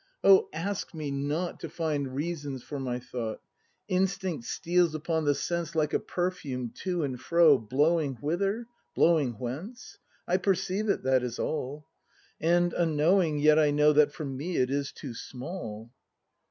] Oh ask me not To find reasons for my thought. Instinct steals upon the sense Like a perfume, — to and fro, Blowing whither.? Blowing whence? I perceive it, that is all; And, unknowing, yet I know That for me it is too small.